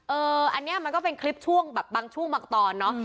เอออันนี้มันก็เป็นคลิปช่วงแบบบางช่วงบางตอนเนอะ